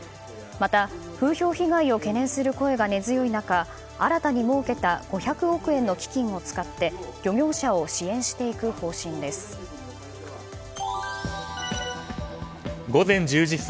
また、風評被害を懸念する声が根強い中新たに設けた５００億円の基金を使って漁業者を支援していく方針です。